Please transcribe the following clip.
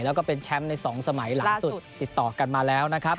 แล้วก็เป็นแชมป์ใน๒สมัยหลังสุดติดต่อกันมาแล้วนะครับ